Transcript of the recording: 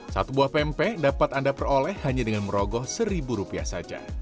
satu buah pempek dapat anda peroleh hanya dengan merogoh seribu rupiah saja